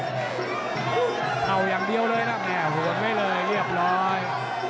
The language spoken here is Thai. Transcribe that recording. กาดเกมสีแดงเดินแบ่งมูธรุด้วย